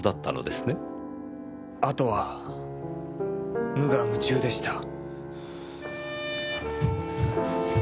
あとは無我夢中でした。